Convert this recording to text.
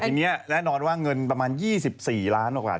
แต่เนี้ยแน่นอนว่าเงินประมาณ๒๔ราธิบาท